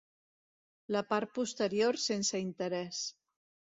La part posterior sense interès.